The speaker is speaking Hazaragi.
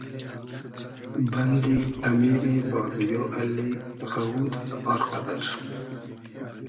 بئندی امیری بامیۉ اللی غئوودۂ ، آر قئدئر